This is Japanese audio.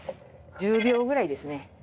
１０秒ぐらいですね。